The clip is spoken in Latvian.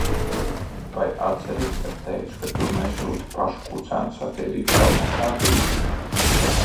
Vai atceries, kad teicu, ka tu nesūti pašu kucēnu satīrīt savu nekārtību?